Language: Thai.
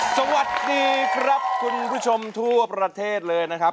สวัสดีครับคุณผู้ชมทั่วประเทศเลยนะครับ